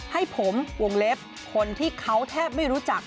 ให้ผมวงเล็บคนที่เขาแทบไม่รู้จัก